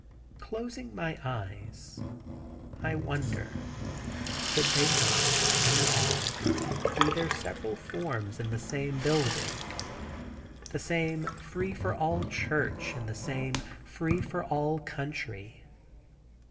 Closing my eyes I wonder, could they not, one and all, do their several forms in the same building? The same "free for all" church in the same "free for all" country.